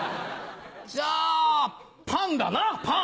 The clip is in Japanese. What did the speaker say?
じゃあパンだなパン！